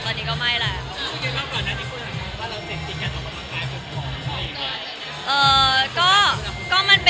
ตอนที่ก่อนไม่บ๊ายเข้า